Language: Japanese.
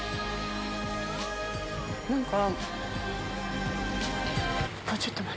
何か。